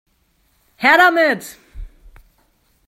Her damit!